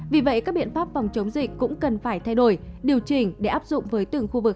vì vậy các biện pháp phòng chống dịch cũng cần phải thay đổi điều chỉnh để áp dụng với từng khu vực